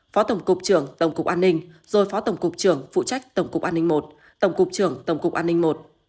phó tổng cục trưởng tổng cục an ninh rồi phó tổng cục trưởng phụ trách tổng cục an ninh một tổng cục trưởng tổng cục an ninh i